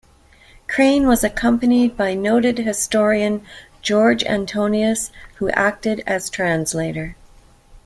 Crane was accompanied by noted historian George Antonius, who acted as translator.